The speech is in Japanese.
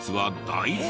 大豆？